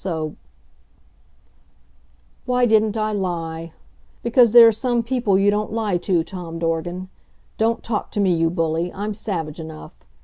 So " Why didn't I lie? Because there are some people you don't lie to, Tom Dorgan. Don't talk to me, you bully, I'm savage enough.